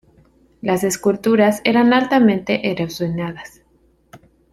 Las esculturas eran altamente erosionadas.